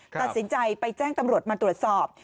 ตัดสินใจไปแจ้งตำรวจมาตรวจสอบ